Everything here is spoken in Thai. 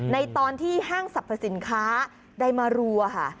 ในตอนที่ห้างสรรพสินค้าได้มารัวค่ะ